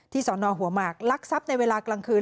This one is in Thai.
สอนอหัวหมากลักทรัพย์ในเวลากลางคืน